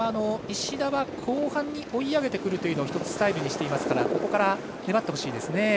石田は後半に追い上げてくることをスタイルにしていますからここから粘ってほしいですね。